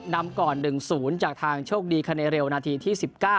นำก่อน๑๐จากทางโชคดีคาเนเรลนาทีที่๑๙